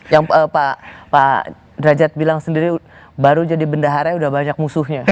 yang pak derajat bilang sendiri baru jadi bendaharanya udah banyak musuhnya